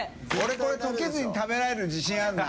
これ溶けずに食べられる自信あるな。